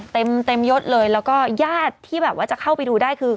เต็มเต็มยดเลยแล้วก็ญาติที่แบบว่าจะเข้าไปดูได้คือ